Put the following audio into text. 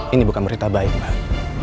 ini bukan berita baik pak